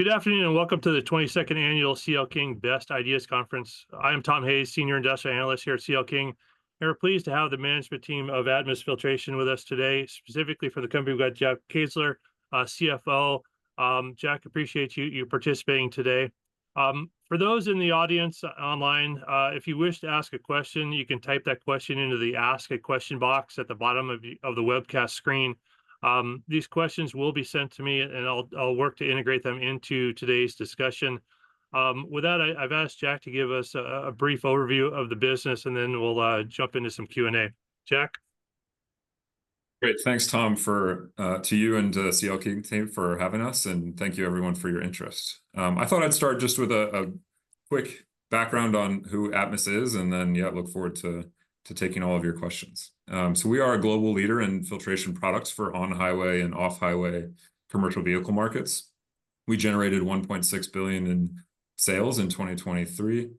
Good afternoon, and welcome to the 22nd annual CL King Best Ideas Conference. I am Tom Hayes, senior industrial analyst here at CL King, and we're pleased to have the management team of Atmus Filtration with us today. Specifically for the company, we've got Jack Kise, CFO. Jack, appreciate you participating today. For those in the audience online, if you wish to ask a question, you can type that question into the Ask a Question box at the bottom of the webcast screen. These questions will be sent to me, and I'll work to integrate them into today's discussion. With that, I've asked Jack to give us a brief overview of the business, and then we'll jump into some Q&A. Jack? Great. Thanks, Tom, to you and CL King team for having us, and thank you everyone for your interest. I thought I'd start just with a quick background on who Atmus is, and then, yeah, look forward to taking all of your questions. So, we are a global leader in filtration products for on-highway and off-highway commercial vehicle markets. We generated $1.6 billion in sales in 2023.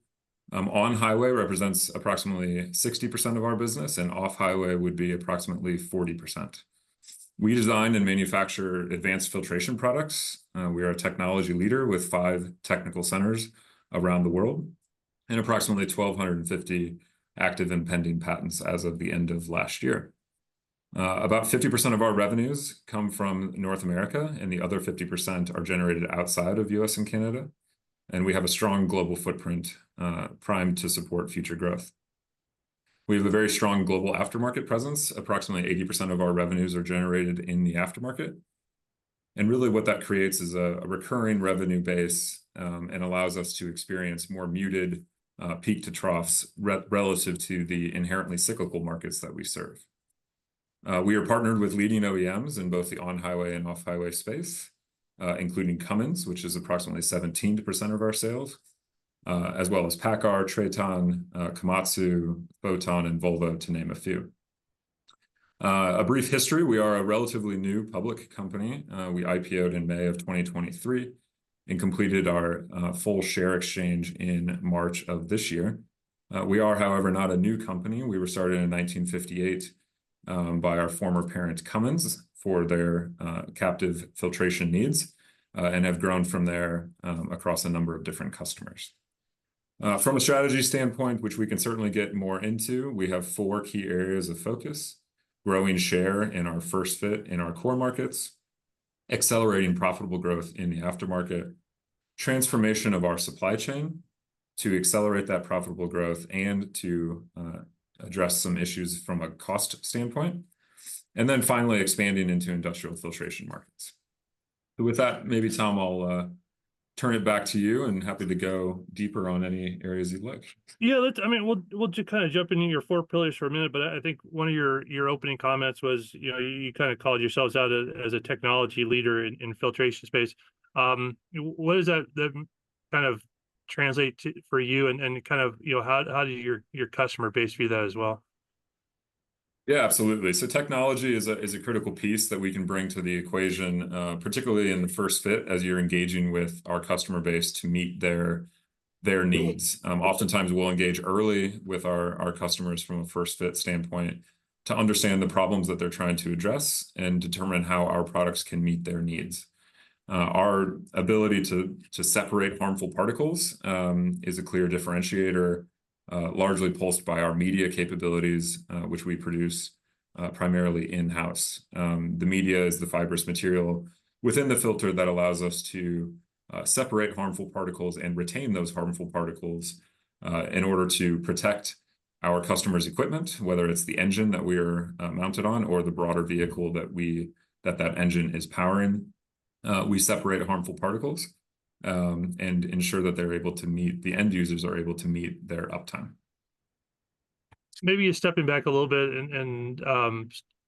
On-highway represents approximately 60% of our business, and off-highway would be approximately 40%. We design and manufacture advanced filtration products. We are a technology leader with five technical centers around the world, and approximately 1,250 active and pending patents as of the end of last year. About 50% of our revenues come from North America, and the other 50% are generated outside of U.S. and Canada, and we have a strong global footprint, primed to support future growth. We have a very strong global aftermarket presence. Approximately 80% of our revenues are generated in the aftermarket, and really what that creates is a recurring revenue base and allows us to experience more muted peak to troughs relative to the inherently cyclical markets that we serve. We are partnered with leading OEMs in both the on-highway and off-highway space, including Cummins, which is approximately 17% of our sales, as well as PACCAR, Traton, Komatsu, Foton, and Volvo, to name a few. A brief history, we are a relatively new public company. We IPO'd in May of 2023 and completed our full share exchange in March of this year. We are, however, not a new company. We were started in 1958 by our former parent, Cummins, for their captive filtration needs and have grown from there across a number of different customers. From a strategy standpoint, which we can certainly get more into, we have four key areas of focus: growing share in our first-fit in our core markets, accelerating profitable growth in the aftermarket, transformation of our supply chain to accelerate that profitable growth and to address some issues from a cost standpoint, and then finally expanding into industrial filtration markets. So, with that, maybe, Tom, I'll turn it back to you, and happy to go deeper on any areas you'd like. Yeah, let's... I mean, we'll just kind of jump into your four pillars for a minute, but I think one of your opening comments was, you know, you kind of called yourselves out as a technology leader in filtration space. What does that kind of translate to for you, and kind of, you know, how do your customer base view that as well? Yeah, absolutely. Technology is a critical piece that we can bring to the equation, particularly in the first-fit, as you're engaging with our customer base to meet their needs. Oftentimes we'll engage early with our customers from a first-fit standpoint to understand the problems that they're trying to address and determine how our products can meet their needs. Our ability to separate harmful particles is a clear differentiator, largely fueled by our media capabilities, which we produce primarily in-house. The media is the fibrous material within the filter that allows us to separate harmful particles and retain those harmful particles in order to protect our customers' equipment, whether it's the engine that we're mounted on, or the broader vehicle that the engine is powering. We separate harmful particles and ensure that the end users are able to meet their uptime. Maybe just stepping back a little bit, and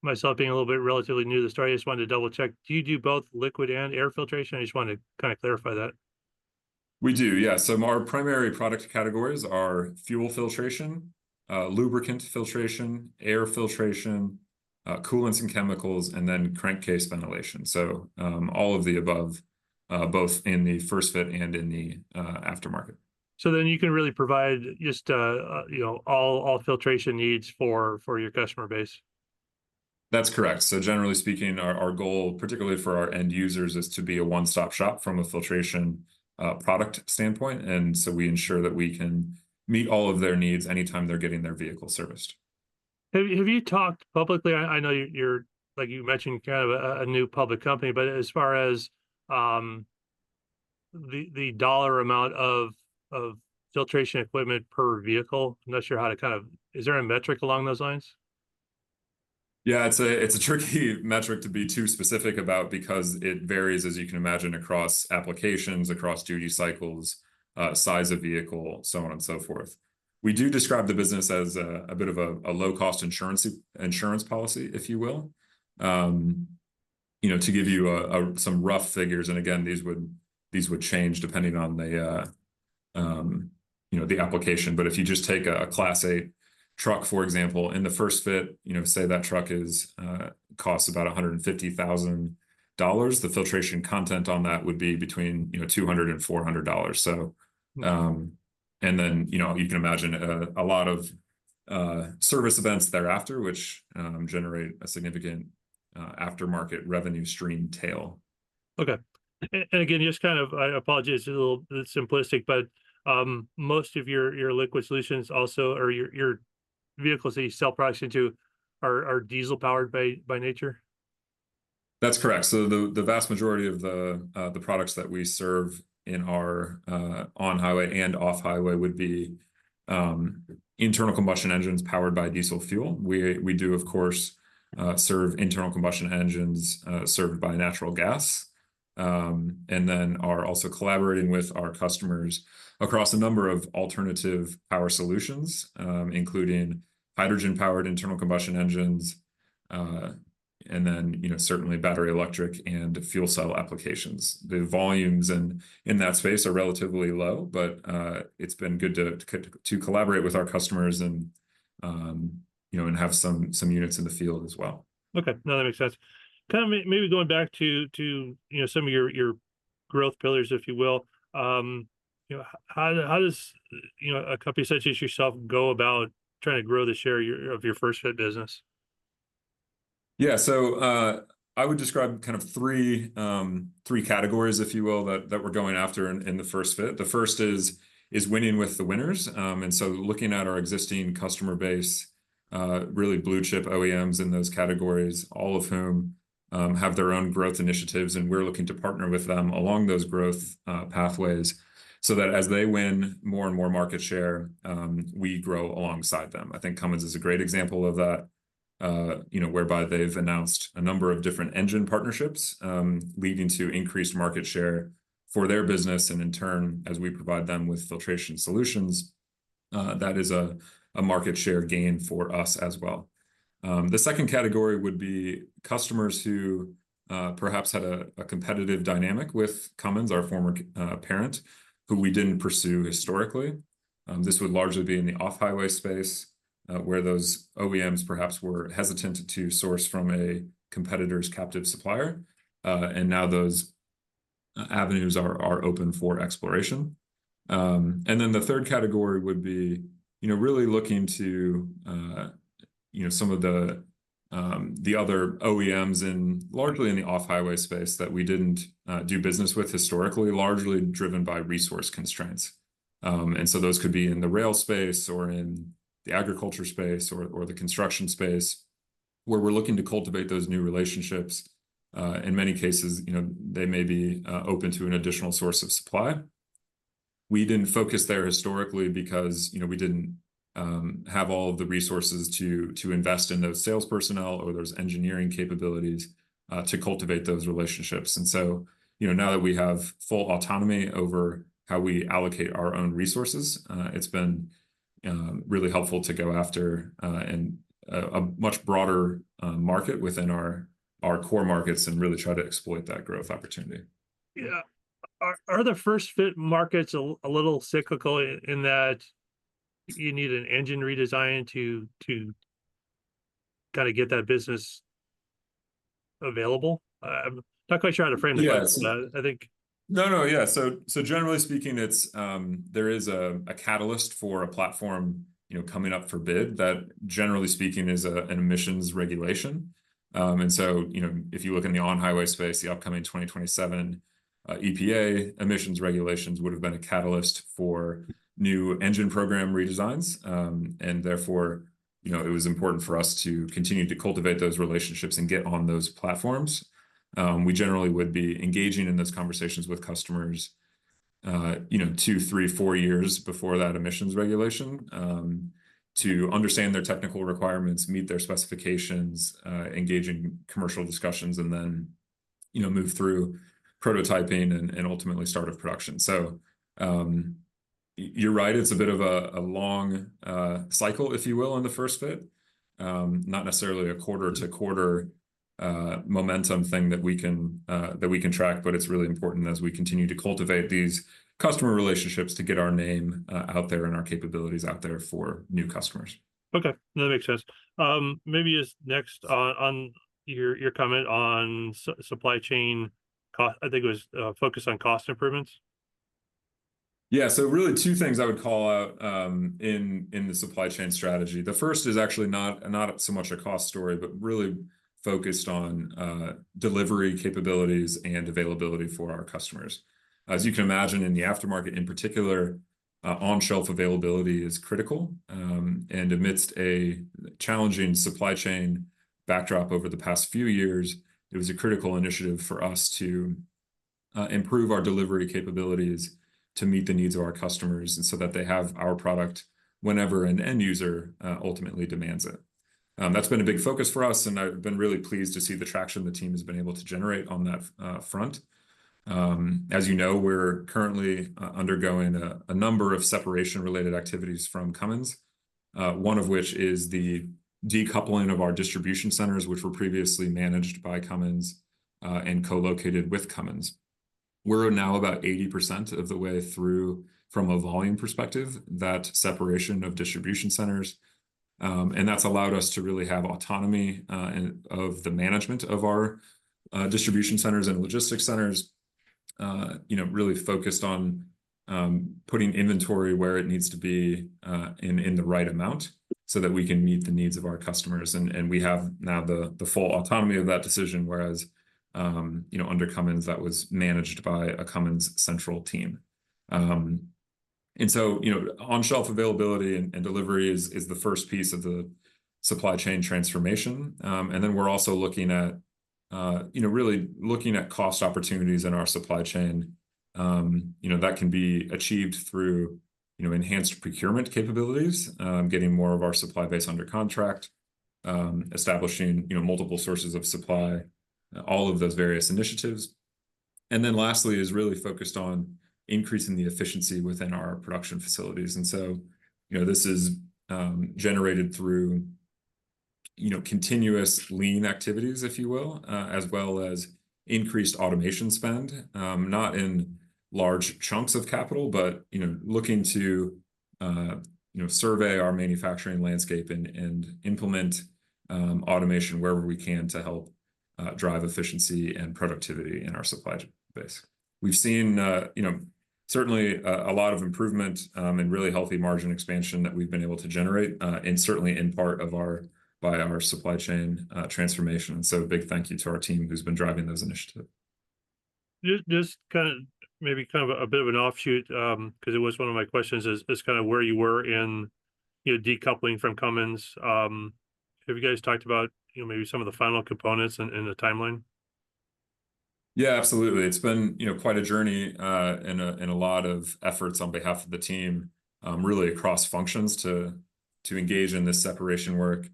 myself being a little bit relatively new to the story, I just wanted to double-check. Do you do both liquid and air filtration? I just wanted to kind of clarify that. We do, yeah. So, our primary product categories are fuel filtration, lubricant filtration, air filtration, coolants and chemicals, and then crankcase ventilation. So, all of the above, both in the first fit and in the aftermarket. Then you can really provide just, you know, all filtration needs for your customer base? That's correct. So generally speaking, our goal, particularly for our end users, is to be a one-stop shop from a filtration product standpoint, and so we ensure that we can meet all of their needs anytime they're getting their vehicle serviced. Have you talked publicly... I know you're like you mentioned, kind of a new public company, but as far as the dollar amount of filtration equipment per vehicle, I'm not sure how to kind of... Is there a metric along those lines? Yeah, it's a tricky metric to be too specific about because it varies, as you can imagine, across applications, across duty cycles, size of vehicle, so on and so forth. We do describe the business as a bit of a low-cost insurance policy, if you will. You know, to give you some rough figures, and again, these would change depending on the application, but if you just take a Class 8 truck, for example, in the first fit, you know, say that truck costs about $150,000, the filtration content on that would be between $200-$400. So, and then, you know, a lot of service events thereafter, which generate a significant aftermarket revenue stream tail. Okay. Again, just kind of, I apologize, it's a little simplistic, but most of your liquid solutions also, or your vehicles that you sell products into are diesel-powered by nature? That's correct. So the vast majority of the products that we serve in our on-highway and off-highway would be internal combustion engines powered by diesel fuel. We do, of course, serve internal combustion engines served by natural gas. And then are also collaborating with our customers across a number of alternative power solutions, including hydrogen-powered internal combustion engines, and then, you know, certainly battery electric and fuel cell applications. The volumes in that space are relatively low, but it's been good to collaborate with our customers and, you know, and have some units in the field as well. Okay, no, that makes sense. Kind of maybe going back to, you know, some of your growth pillars, if you will, you know, how does, you know, a company such as yourself go about trying to grow the share of your first fit business? Yeah, so, I would describe kind of three categories, if you will, that we're going after in the first fit. The first is winning with the winners. And so, looking at our existing customer base, really blue-chip OEMs in those categories, all of whom have their own growth initiatives, and we're looking to partner with them along those growth pathways, so that as they win more and more market share, we grow alongside them. I think Cummins is a great example of that, you know, whereby they've announced a number of different engine partnerships, leading to increased market share for their business, and in turn, as we provide them with filtration solutions, that is a market share gain for us as well. The second category would be customers who perhaps had a competitive dynamic with Cummins, our former parent, who we didn't pursue historically. This would largely be in the off-highway space, where those OEMs perhaps were hesitant to source from a competitor's captive supplier. And now those avenues are open for exploration. And then the third category would be, you know, really looking to, you know, some of the other OEMs in largely in the off-highway space, that we didn't do business with historically, largely driven by resource constraints. And so those could be in the rail space, or in the agriculture space, or the construction space, where we're looking to cultivate those new relationships. In many cases, you know, they may be open to an additional source of supply. We didn't focus there historically because, you know, we didn't have all of the resources to invest in those sales personnel or those engineering capabilities to cultivate those relationships. And so, you know, now that we have full autonomy over how we allocate our own resources, it's been really helpful to go after in a much broader market within our core markets and really try to exploit that growth opportunity. Yeah. Are the First-fit markets a little cyclical in that you need an engine redesign to kind of get that business available? I'm not quite sure how to frame the question. Yes... but I think- No, no, yeah, so, so generally speaking, it's there is a catalyst for a platform, you know, coming up for bid, that, generally speaking, is a, an emissions regulation. And so, you know, if you look in the on-highway space, the upcoming 2027 EPA emissions regulations would've been a catalyst for new engine program redesigns. And therefore, you know, it was important for us to continue to cultivate those relationships and get on those platforms. We generally would be engaging in those conversations with customers, you know, two, three, four years before that emissions regulation, to understand their technical requirements, meet their specifications, engage in commercial discussions, and then, you know, move through prototyping and ultimately start up production. So, you're right, it's a bit of a long cycle, if you will, on the first-fit. Not necessarily a quarter-to-quarter momentum thing that we can track, but it's really important as we continue to cultivate these customer relationships to get our name out there and our capabilities out there for new customers. Okay, that makes sense. Maybe just next, on your comment on supply chain cost. I think it was focus on cost improvements? Yeah, so really two things I would call out in the supply chain strategy. The first is actually not so much a cost story but really focused on delivery capabilities and availability for our customers. As you can imagine, in the aftermarket in particular, on-shelf availability is critical, and amidst a challenging supply chain backdrop over the past few years, it was a critical initiative for us to improve our delivery capabilities to meet the needs of our customers, and so that they have our product whenever an end user ultimately demands it. That's been a big focus for us, and I've been really pleased to see the traction the team has been able to generate on that front. As you know, we're currently undergoing a number of separation-related activities from Cummins, one of which is the decoupling of our distribution centers, which were previously managed by Cummins and co-located with Cummins. We're now about 80% of the way through, from a volume perspective, that separation of distribution centers, and that's allowed us to really have autonomy in the management of our distribution centers and logistics centers. You know, really focused on putting inventory where it needs to be in the right amount, so that we can meet the needs of our customers, and we have now the full autonomy of that decision, whereas you know, under Cummins, that was managed by a Cummins central team. And so, you know, on-shelf availability and delivery is the first piece of the supply chain transformation. And then we're also looking at, you know, really looking at cost opportunities in our supply chain. You know, that can be achieved through, you know, enhanced procurement capabilities, getting more of our supply base under contract, establishing, you know, multiple sources of supply, all of those various initiatives. And then lastly, is really focused on increasing the efficiency within our production facilities. And so, you know, this is generated through, you know, continuous Lean activities, if you will, as well as increased automation spend. Not in large chunks of capital, but, you know, looking to, you know, survey our manufacturing landscape and implement automation wherever we can to help drive efficiency and productivity in our supply base. We've seen, you know, certainly a lot of improvement, and really healthy margin expansion that we've been able to generate, and certainly in part by our supply chain transformation. So, a big thank you to our team who's been driving those initiatives. Just kind of, maybe kind of a bit of an offshoot, 'cause it was one of my questions, is kind of where you were in, you know, decoupling from Cummins. Have you guys talked about, you know, maybe some of the final components and the timeline? Yeah, absolutely. It's been, you know, quite a journey, and a lot of efforts on behalf of the team, really across functions to engage in this separation work.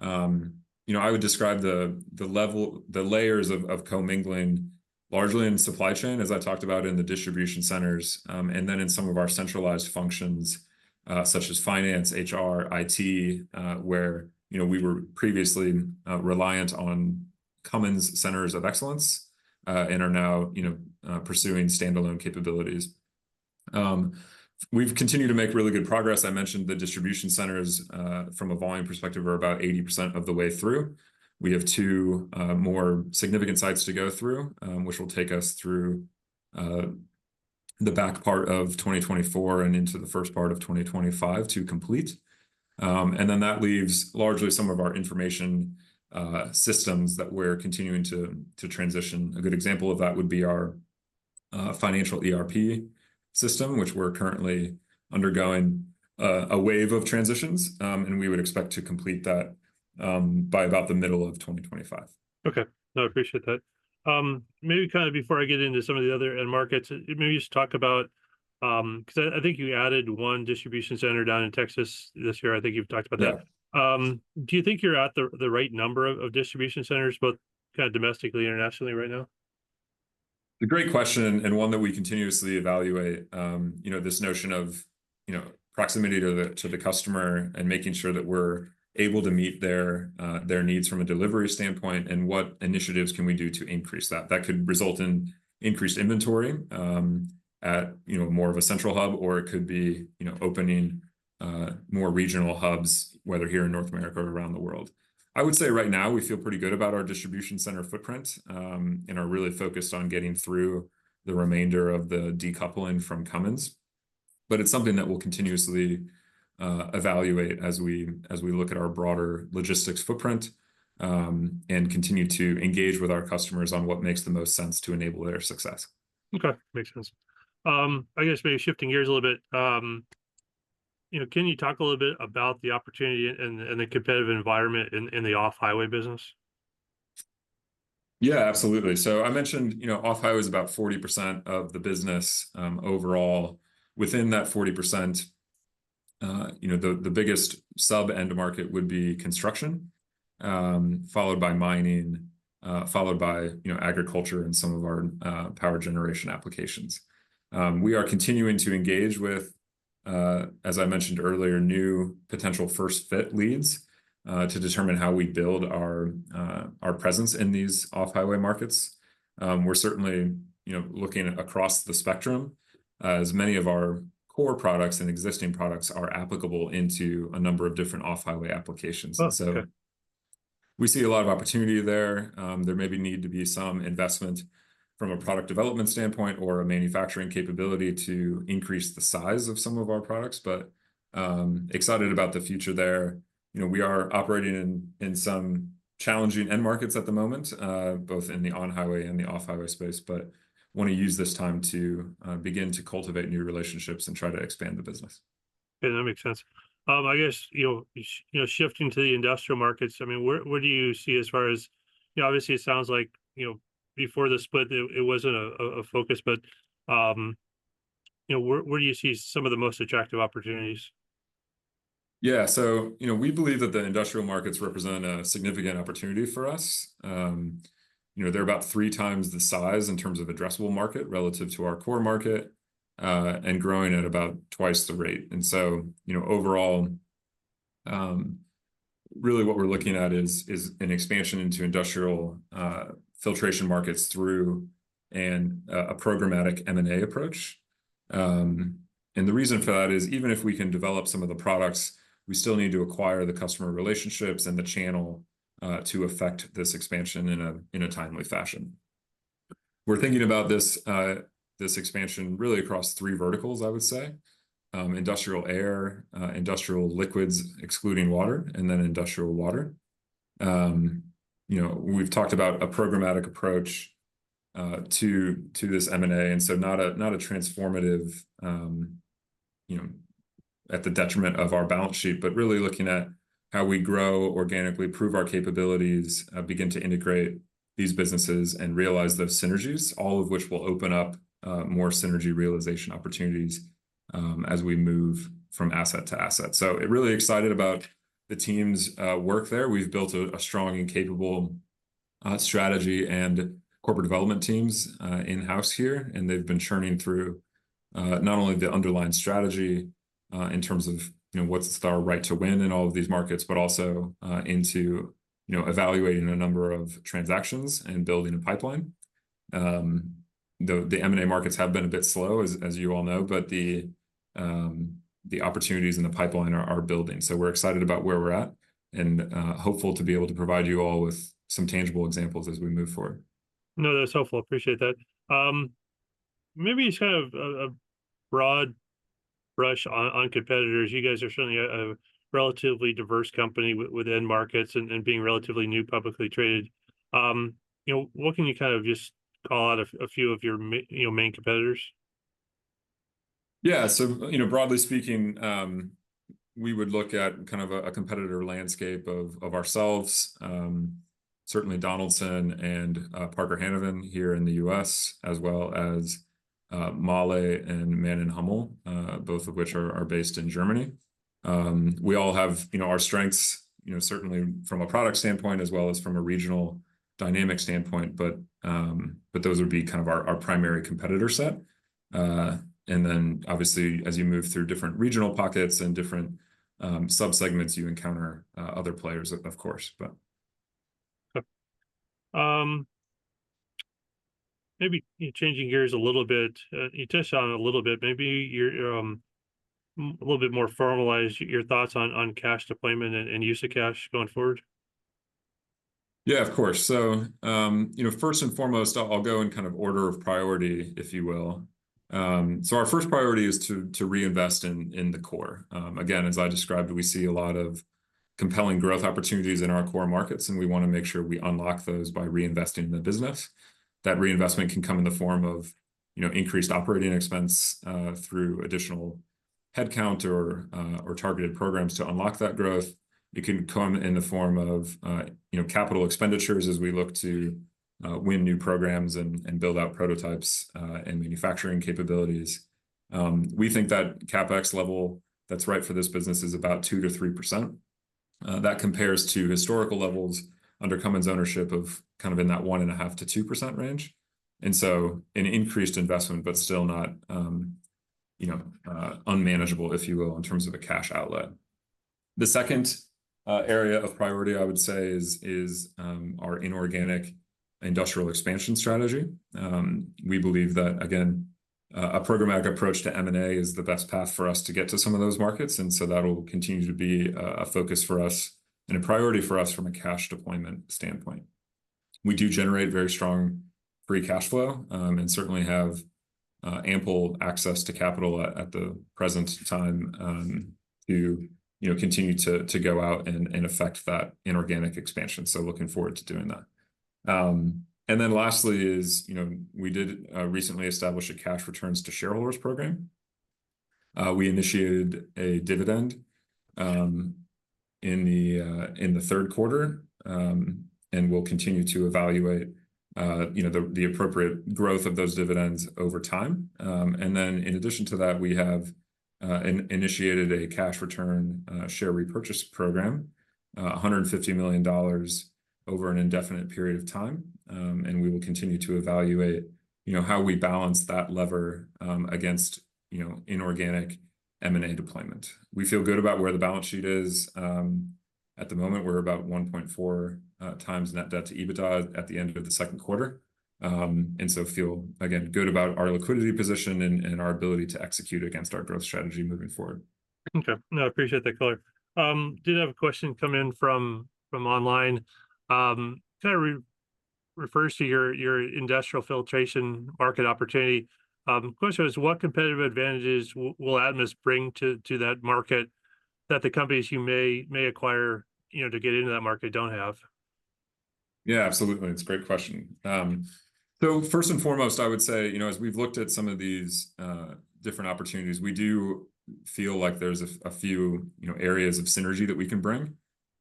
You know, I would describe the level, the layers of commingling largely in supply chain, as I talked about in the distribution centers, and then in some of our centralized functions, such as finance, HR, IT, where, you know, we were previously reliant on Cummins centers of excellence, and are now, you know, pursuing standalone capabilities. We've continued to make really good progress. I mentioned the distribution centers, from a volume perspective, are about 80% of the way through. We have two more significant sites to go through, which will take us through the back part of 2024 and into the first part of 2025 to complete. And then that leaves largely some of our information systems that we're continuing to transition. A good example of that would be our financial ERP system, which we're currently undergoing a wave of transitions. And we would expect to complete that by about the middle of 2025. Okay. No, I appreciate that. Maybe kind of before I get into some of the other end markets, maybe just talk about, 'cause I think you added one distribution center down in Texas this year. I think you've talked about that. Yes. Do you think you're at the right number of distribution centers, both kind of domestically, internationally right now? It's a great question, and one that we continuously evaluate. You know, this notion of, you know, proximity to the customer and making sure that we're able to meet their needs from a delivery standpoint, and what initiatives can we do to increase that. That could result in increased inventory, at, you know, more of a central hub, or it could be, you know, opening more regional hubs, whether here in North America or around the world. I would say right now, we feel pretty good about our distribution center footprint, and are really focused on getting through the remainder of the decoupling from Cummins. But it's something that we'll continuously evaluate as we look at our broader logistics footprint and continue to engage with our customers on what makes the most sense to enable their success. Okay, makes sense. I guess maybe shifting gears a little bit, you know, can you talk a little bit about the opportunity and the competitive environment in the off-highway business? Yeah, absolutely. So I mentioned, you know, off-highway is about 40% of the business, overall. Within that 40%, you know, the biggest sub-end market would be construction, followed by mining, followed by, you know, agriculture and some of our power generation applications. We are continuing to engage with, as I mentioned earlier, new potential first-fit leads, to determine how we build our presence in these off-highway markets. We're certainly, you know, looking across the spectrum, as many of our core products and existing products are applicable into a number of different off-highway applications. Oh, okay. So we see a lot of opportunity there. There may be need to be some investment from a product development standpoint or a manufacturing capability to increase the size of some of our products, but excited about the future there. You know, we are operating in some challenging end markets at the moment, both in the on-highway and the off-highway space, but wanna use this time to begin to cultivate new relationships and try to expand the business. Yeah, that makes sense. I guess, you know, you know, shifting to the industrial markets, I mean, where, where do you see as far as... You know, obviously, it sounds like, you know, before the split, it wasn't a focus, but, you know, where, where do you see some of the most attractive opportunities? Yeah. So, you know, we believe that the industrial markets represent a significant opportunity for us. You know, they're about three times the size in terms of addressable market relative to our core market, and growing at about twice the rate. And so, you know, overall, really what we're looking at is an expansion into industrial filtration markets through a programmatic M&A approach. And the reason for that is, even if we can develop some of the products, we still need to acquire the customer relationships and the channel to effect this expansion in a timely fashion. We're thinking about this expansion really across three verticals, I would say. Industrial air, industrial liquids, excluding water, and then industrial water. You know, we've talked about a programmatic approach to this M&A, and so not a transformative, you know, at the detriment of our balance sheet. But really looking at how we grow organically, prove our capabilities, begin to integrate these businesses, and realize those synergies, all of which will open up more synergy realization opportunities as we move from asset to asset. So really excited about the team's work there. We've built a strong and capable strategy and corporate development teams in-house here, and they've been churning through not only the underlying strategy in terms of, you know, what's our right to win in all of these markets, but also into, you know, evaluating a number of transactions and building a pipeline. The M&A markets have been a bit slow, as you all know, but the opportunities in the pipeline are building. So, we're excited about where we're at and hopeful to be able to provide you all with some tangible examples as we move forward. No, that's helpful. Appreciate that. Maybe just kind of a broad brush on competitors. You guys are certainly a relatively diverse company within markets and being relatively new publicly traded. You know, what can you kind of just call out a few of your main competitors? Yeah, so, you know, broadly speaking, we would look at kind of a competitor landscape of ourselves, certainly Donaldson and Parker Hannifin here in the U.S., as well as Mahle and Mann+Hummel, both of which are based in Germany. We all have, you know, our strengths, you know, certainly from a product standpoint, as well as from a regional dynamic standpoint, but those would be kind of our primary competitor set. And then obviously, as you move through different regional pockets and different subsegments, you encounter other players, of course, but... Okay. Maybe changing gears a little bit, you touched on it a little bit, maybe your a little bit more formalize your thoughts on cash deployment and use of cash going forward. Yeah, of course, so you know, first and foremost, I'll go in kind of order of priority, if you will, so our first priority is to reinvest in the core. Again, as I described, we see a lot of compelling growth opportunities in our core markets, and we wanna make sure we unlock those by reinvesting in the business. That reinvestment can come in the form of, you know, increased operating expense through additional headcount or targeted programs to unlock that growth. It can come in the form of, you know, capital expenditures as we look to win new programs and build out prototypes and manufacturing capabilities. We think that CapEx level that's right for this business is about 2%-3%. That compares to historical levels under Cummins ownership of kind of in that 1.5%-2% range. And so, an increased investment, but still not, you know, unmanageable, if you will, in terms of a cash outlet. The second area of priority, I would say, is our inorganic industrial expansion strategy. We believe that, again, a programmatic approach to M&A is the best path for us to get to some of those markets, and so that will continue to be a focus for us and a priority for us from a cash deployment standpoint. We do generate very strong free cash flow and certainly have ample access to capital at the present time, to you know, continue to go out and effect that inorganic expansion, so looking forward to doing that. And then lastly is, you know, we did recently establish a cash return to shareholders program. We initiated a dividend in the third quarter, and we'll continue to evaluate, you know, the appropriate growth of those dividends over time. And then in addition to that, we have initiated a cash return share repurchase program, $150 million over an indefinite period of time, and we will continue to evaluate, you know, how we balance that lever against, you know, inorganic M&A deployment. We feel good about where the balance sheet is. At the moment, we're about 1.4 times net debt to EBITDA at the end of the second quarter. And so, feel, again, good about our liquidity position and our ability to execute against our growth strategy moving forward. Okay. No, I appreciate that color. Did have a question come in from online, kind of refers to your industrial filtration market opportunity. Question is, what competitive advantages will Atmus bring to that market that the companies you may acquire, you know, to get into that market don't have? Yeah, absolutely. It's a great question. So first and foremost, I would say, you know, as we've looked at some of these different opportunities, we do feel like there's a few, you know, areas of synergy that we can bring.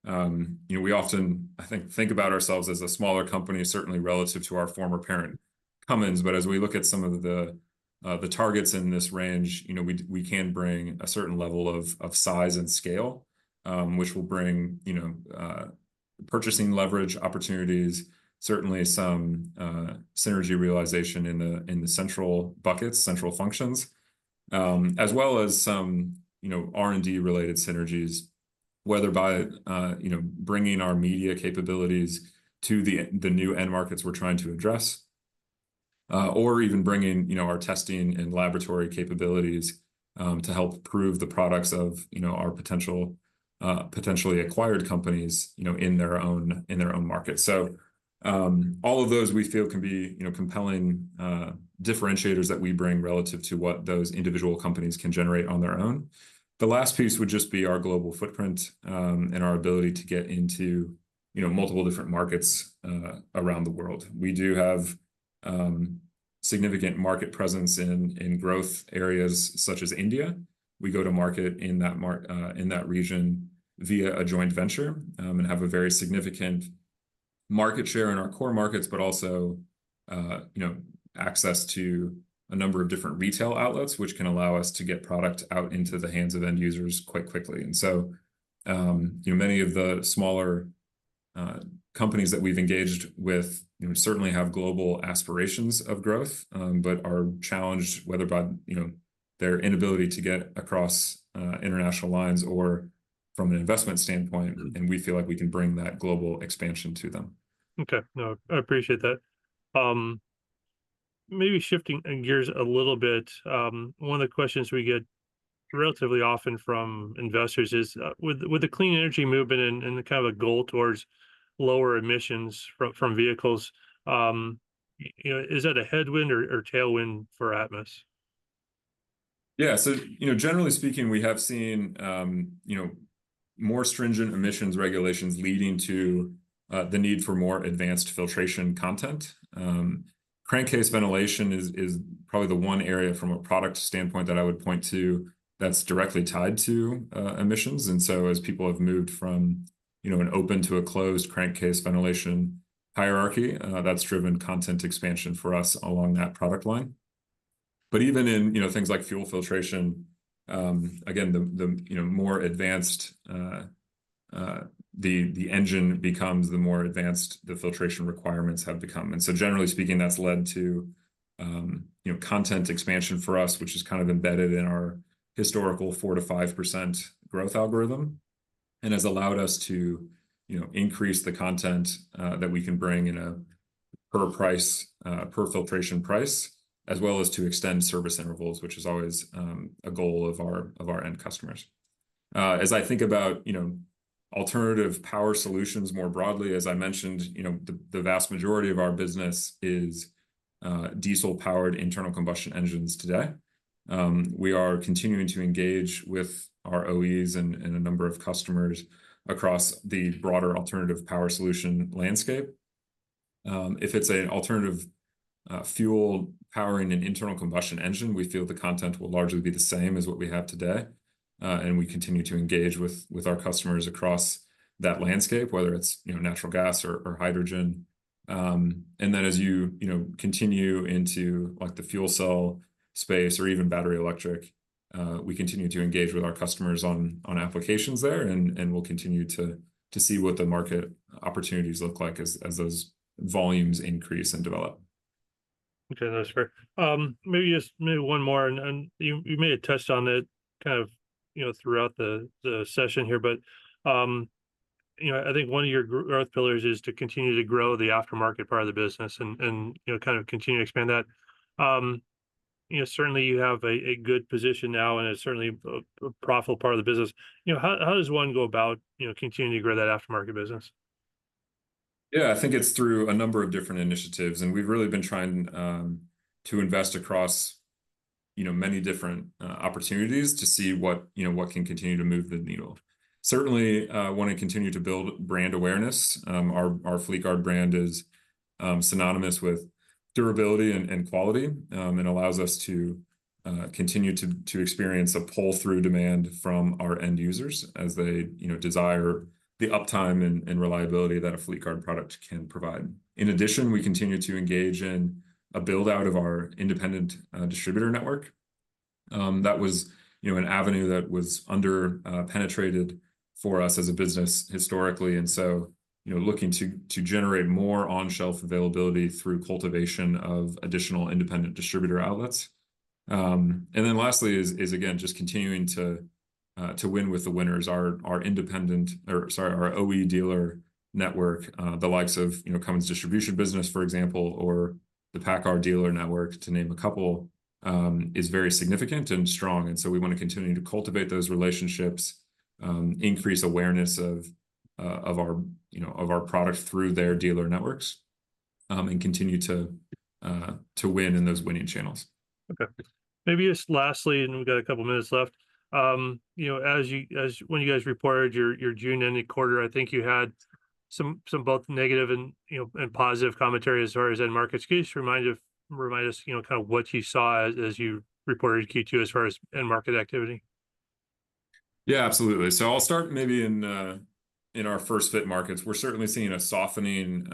You know, we often, I think, think about ourselves as a smaller company, certainly relative to our former parent, Cummins. But as we look at some of the targets in this range, you know, we can bring a certain level of size and scale, which will bring, you know, purchasing leverage opportunities, certainly some synergy realization in the central buckets, central functions, as well as some, you know, R&D-related synergies-... whether by, you know, bringing our media capabilities to the, the new end markets we're trying to address, or even bringing, you know, our testing and laboratory capabilities, to help prove the products of, you know, our potential, potentially acquired companies, you know, in their own, in their own market. So, all of those we feel can be, you know, compelling, differentiators that we bring relative to what those individual companies can generate on their own. The last piece would just be our global footprint, and our ability to get into, you know, multiple different markets, around the world. We do have, significant market presence in, in growth areas such as India. We go to market in that region via a joint venture and have a very significant market share in our core markets, but also you know access to a number of different retail outlets, which can allow us to get product out into the hands of end users quite quickly, and so you know many of the smaller companies that we've engaged with you know certainly have global aspirations of growth but are challenged whether by you know their inability to get across international lines or from an investment standpoint, and we feel like we can bring that global expansion to them. Okay. No, I appreciate that. Maybe shifting gears a little bit, one of the questions we get relatively often from investors is, with the clean energy movement and the kind of a goal towards lower emissions from vehicles, you know, is that a headwind or tailwind for Atmus? Yeah. So, you know, generally speaking, we have seen, you know, more stringent emissions regulations leading to the need for more advanced filtration content. Crankcase ventilation is probably the one area from a product standpoint that I would point to that's directly tied to emissions. And so as people have moved from, you know, an open to a closed crankcase ventilation hierarchy, that's driven content expansion for us along that product line. But even in, you know, things like fuel filtration, again, you know, more advanced, the engine becomes, the more advanced the filtration requirements have become. And so generally speaking, that's led to, you know, content expansion for us, which is kind of embedded in our historical 4-5% growth algorithm, and has allowed us to, you know, increase the content, that we can bring in a per price, per filtration price, as well as to extend service intervals, which is always, a goal of our end customers. As I think about, you know, alternative power solutions more broadly, as I mentioned, you know, the vast majority of our business is diesel-powered internal combustion engines today. We are continuing to engage with our OEs and a number of customers across the broader alternative power solution landscape. If it's an alternative fuel powering an internal combustion engine, we feel the content will largely be the same as what we have today, and we continue to engage with our customers across that landscape, whether it's, you know, natural gas or hydrogen. And then as you, you know, continue into, like, the fuel cell space or even battery electric, we continue to engage with our customers on applications there, and we'll continue to see what the market opportunities look like as those volumes increase and develop. Okay, that's fair. Maybe just maybe one more, and you may have touched on it kind of, you know, throughout the session here. But, you know, I think one of your growth pillars is to continue to grow the aftermarket part of the business and, you know, kind of continue to expand that. You know, certainly you have a good position now, and it's certainly a profitable part of the business. You know, how does one go about, you know, continuing to grow that aftermarket business? Yeah, I think it's through a number of different initiatives, and we've really been trying to invest across, you know, many different opportunities to see what, you know, what can continue to move the needle. Certainly, want to continue to build brand awareness. Our Fleetguard brand is synonymous with durability and quality, and allows us to continue to experience a pull-through demand from our end users as they, you know, desire the uptime and reliability that a Fleetguard product can provide. In addition, we continue to engage in a build-out of our independent distributor network. That was, you know, an avenue that was under penetrated for us as a business historically, and so, you know, looking to generate more on-shelf availability through cultivation of additional independent distributor outlets. And then lastly is again just continuing to win with the winners. Our OE dealer network, the likes of, you know, Cummins distribution business, for example, or the PACCAR dealer network, to name a couple, is very significant and strong. And so we wanna continue to cultivate those relationships, increase awareness of our, you know, of our product through their dealer networks, and continue to win in those winning channels. Okay. Maybe just lastly, and we've got a couple of minutes left, you know, as when you guys reported your June ended quarter, I think you had some both negative and, you know, and positive commentary as far as end markets. Can you just remind us, you know, kind of what you saw as you reported Q2 as far as end market activity? Yeah, absolutely. So I'll start maybe in, in our first-fit markets. We're certainly seeing a softening,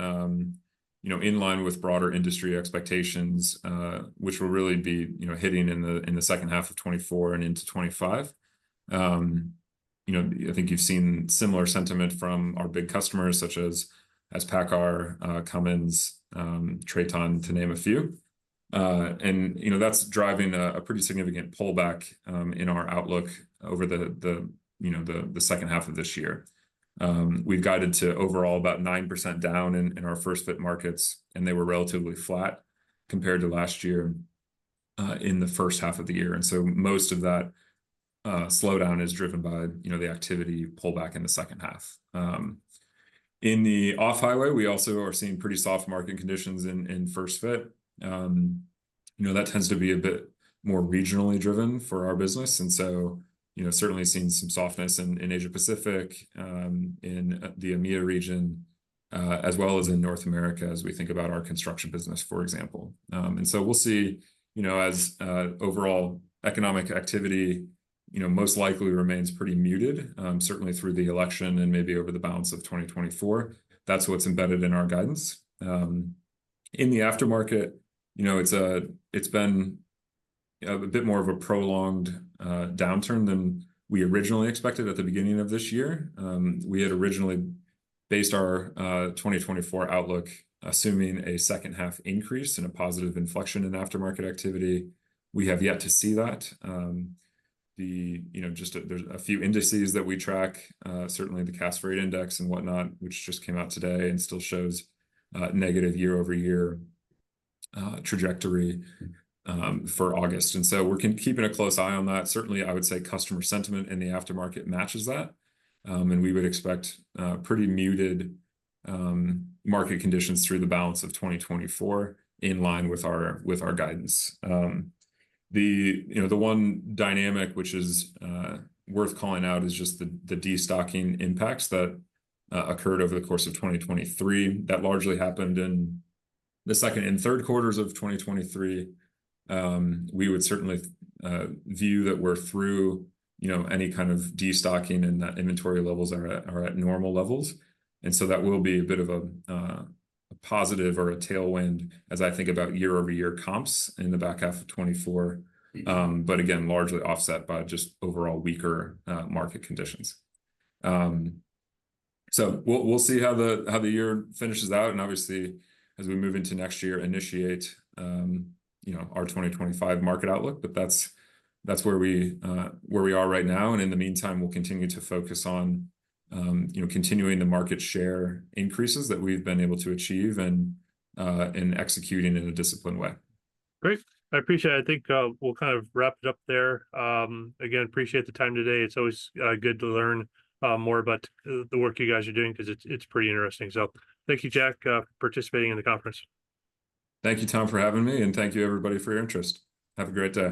you know, in line with broader industry expectations, which will really be, you know, hitting in the, in the second half of 2024 and into 2025. You know, I think you've seen similar sentiment from our big customers, such as PACCAR, Cummins, Traton, to name a few. And, you know, that's driving a pretty significant pullback in our outlook over the, the, you know, the second half of this year. We've guided to overall about 9% down in our first-fit markets, and they were relatively flat compared to last year in the first half of the year. And so most of that slowdown is driven by, you know, the activity pullback in the second half. In the off-highway, we also are seeing pretty soft market conditions in first-fit. You know, that tends to be a bit more regionally driven for our business, and so, you know, certainly seeing some softness in Asia Pacific, in the EMEA region, as well as in North America, as we think about our construction business, for example, and so we'll see, you know, as overall economic activity, you know, most likely remains pretty muted, certainly through the election and maybe over the balance of 2024. That's what's embedded in our guidance. In the aftermarket, you know, it's been a bit more of a prolonged downturn than we originally expected at the beginning of this year. We had originally based our 2024 outlook, assuming a second half increase and a positive inflection in aftermarket activity. We have yet to see that. The, you know, just a... there's a few indices that we track, certainly the Cass Freight Index and whatnot, which just came out today and still shows negative year-over-year trajectory for August. And so we're keeping a close eye on that. Certainly, I would say customer sentiment in the aftermarket matches that, and we would expect pretty muted market conditions through the balance of 2024, in line with our guidance. The, you know, the one dynamic which is worth calling out is just the destocking impacts that occurred over the course of 2023. That largely happened in the second and third quarters of 2023. We would certainly view that we're through, you know, any kind of destocking and that inventory levels are at normal levels. And so that will be a bit of a positive or a tailwind as I think about year-over-year comps in the back half of 2024. But again, largely offset by just overall weaker market conditions. So, we'll see how the year finishes out, and obviously as we move into next year, initiate, you know, our 2025 market outlook. But that's where we are right now, and in the meantime, we'll continue to focus on, you know, continuing the market share increases that we've been able to achieve and executing in a disciplined way. Great. I appreciate it. I think we'll kind of wrap it up there. Again, appreciate the time today. It's always good to learn more about the work you guys are doing, 'cause it's pretty interesting. So, thank you, Jack, participating in the conference. Thank you, Tom, for having me, and thank you everybody for your interest. Have a great day.